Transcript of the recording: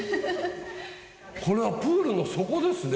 これはプールの底ですね。